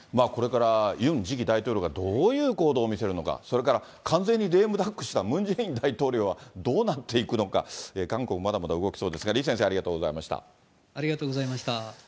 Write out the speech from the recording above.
これからユン次期大統領がどういう行動を見せるのか、それから完全にレイムダックしたムン・ジェイン大統領は、どうなっていくのか、韓国、まだまだ動きそうですが、李先生ありがとうありがとうございました。